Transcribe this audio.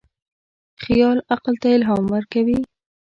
خیال عقل ته الهام ورکوي.